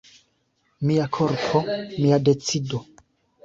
"Mia korpo, mia decido."